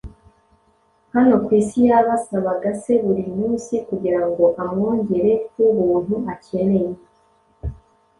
hano ku isi yasabaga se buri munsi kugira ngo amwongere ku buntu akeneye.